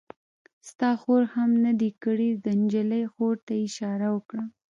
ستا خور هم نه دی کړی؟ د نجلۍ خور ته یې اشاره وکړه.